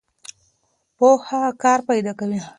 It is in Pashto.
پوهه کار پیدا کوي.